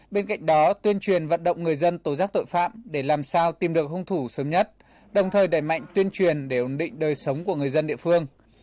bên cạnh đó tuyên truyền vận động người dân tổ giác tội phạm để làm sao tìm được hung thủ sớm nhất đồng thời đẩy mạnh tuyên truyền để ổn định đời sống của người dân địa phương